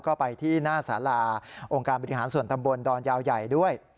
ก็ไปที่หน้าสาราองค์การบริหารส่วนตำบลดอนยาวใหญ่ด้วย